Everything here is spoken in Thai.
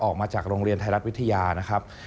ออกมาจากโรงเรียนไทยรัฐวิทยานะครับ